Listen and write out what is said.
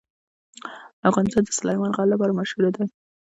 افغانستان د سلیمان غر لپاره مشهور دی.